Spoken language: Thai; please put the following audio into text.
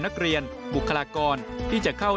นักเรียนบุคลากรที่จะเข้า